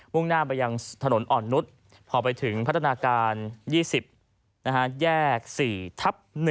่งหน้าไปยังถนนอ่อนนุษย์พอไปถึงพัฒนาการ๒๐แยก๔ทับ๑